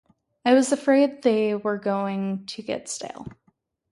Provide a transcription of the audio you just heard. I was afraid they were going to get stale.